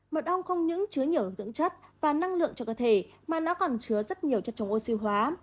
mật ong không những chứa nhiều dưỡng chất và năng lượng cho cơ thể mà nó còn chứa rất nhiều chất chống oxy hóa